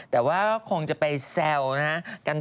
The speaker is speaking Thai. แต่ว่าจะไปแซลกันตามรูป